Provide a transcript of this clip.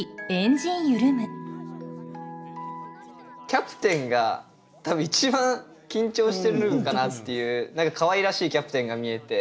キャプテンが多分一番緊張してるのかなっていう何かかわいらしいキャプテンが見えて。